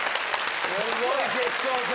すごい決勝戦。